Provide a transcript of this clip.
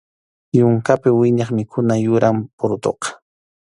Yunkapi wiñaq mikhuna yuram purutuqa.